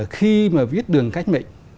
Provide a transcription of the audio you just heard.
khi mà viết đường cách mệnh